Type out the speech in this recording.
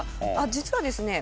実はですね。